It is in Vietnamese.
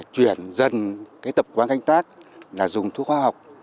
chuyển dần cái tập quán canh tác là dùng thuốc khoa học